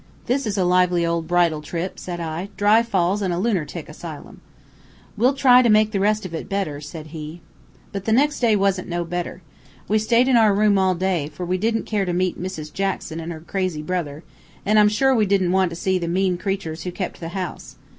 "'This is a lively old bridal trip,' said I, 'dry falls an' a lunertic asylum.' "'We'll try to make the rest of it better,' said he. "But the next day wasn't no better. We staid in our room all day, for we didn't care to meet Mrs. Jackson an' her crazy brother, an' I'm sure we didn't want to see the mean creatures who kept the house.